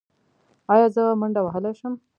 ایا زه منډه وهلی شم؟